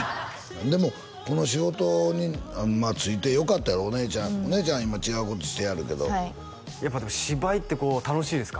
でもこの仕事に就いてよかったやろお姉ちゃんお姉ちゃんは今違うことしてはるけどやっぱ芝居ってこう楽しいですか？